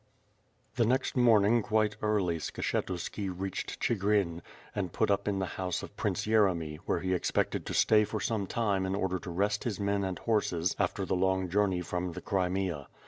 The next morning quite early Skshetuski reached Chigrin, and put up in the house of Prince Yeremy, where he expected to stay for some time in order to rest his men and horses after the long journey from the Crimea.